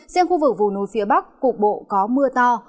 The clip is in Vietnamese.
riêng khu vực vùng núi phía bắc cục bộ có mưa to